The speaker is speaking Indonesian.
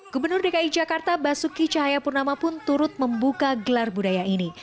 gubernur dki jakarta basuki cahayapurnama pun turut membuka gelar budaya ini